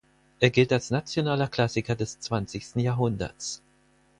Er gilt als nationaler Klassiker der zwanzigsten Jahrhunderts.